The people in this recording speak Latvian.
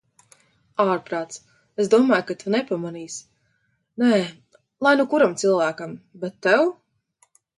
Ārprāts, es domāju, ka tu nepamanīsi... Nē... Lai nu kuram cilvēkam... bet tev?